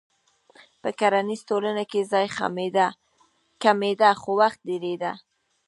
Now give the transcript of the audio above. په کرنیزه ټولنه کې ځای کمېده خو وخت ډېرېده.